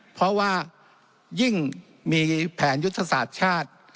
เพราะว่ายิ่งมีแผนยุทธศาสตร์ชาติ